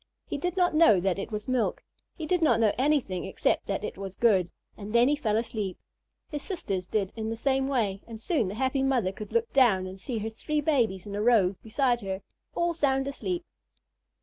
He did not know that it was milk. He did not know anything except that it was good, and then he fell asleep. His sisters did in the same way, and soon the happy mother could look down and see her three babies in a row beside her, all sound asleep.